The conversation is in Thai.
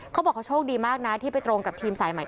เขาบอกเขาโชคดีมากนะที่ไปตรงกับทีมสายใหม่